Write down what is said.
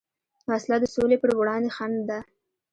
وسله د سولې پروړاندې خنډ ده